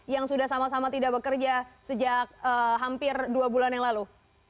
yang sudah sama sama tidak bekerja sejak hampir dua bulan yang lalu